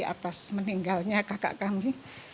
atas meninggalnya kakak kami